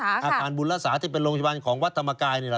อาคารบุญรักษาที่เป็นโรงพยาบาลของวัฒน์ธรรมไกร